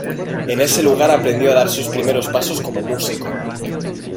En ese lugar aprendió a dar sus primeros pasos como músico.